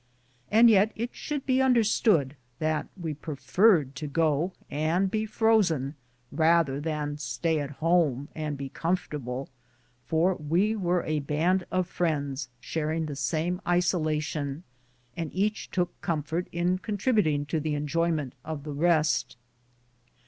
And yet it should be understood that we preferred to go and be frozen rather than stay at home and be comfortable, for we were a band of friends sharing the same isolation, and each took comfort in contributing to the enjoyment of the rest.